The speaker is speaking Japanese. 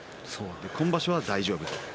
今場所は大丈夫と。